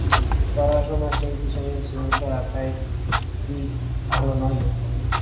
পড়াশোনা সেই বিষয়ে সীমিত রাখাই কি ভালো নয়?